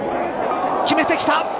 決めてきた。